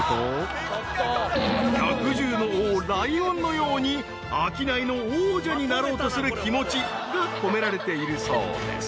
［百獣の王ライオンのように商いの王者になろうとする気持ちが込められているそうです］